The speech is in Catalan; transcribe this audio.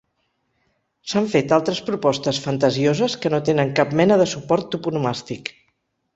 S'han fet altres propostes fantasioses que no tenen cap mena de suport toponomàstic.